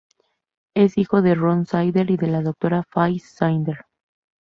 Es hijo de Ron Snyder y de la doctora Faye Snyder.